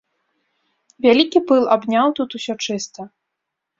Вялікі пыл абняў тут усё чыста.